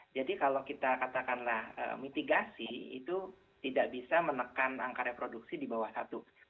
jadi kalau kita katakanlah mitigasi itu tidak bisa menekan angka reproduksi di bawah satu